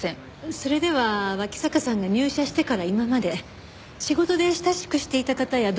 それでは脇坂さんが入社してから今まで仕事で親しくしていた方や同僚の方を教えてもらえますか？